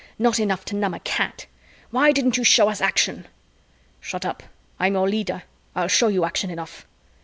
"Not enough to numb a cat. Why didn't you show us action?" "Shut up. I'm your leader. I'll show you action enough."